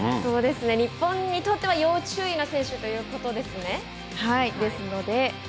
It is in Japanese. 日本にとっては要注意な選手ということですね。